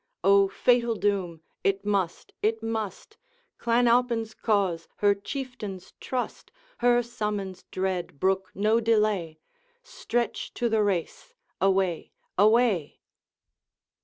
O fatal doom' it must! it must! Clan Alpine's cause, her Chieftain's trust, Her summons dread, brook no delay; Stretch to the race, away! away!